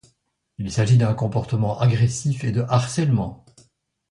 Il s'agit d’un comportement agressif et de harcèlement.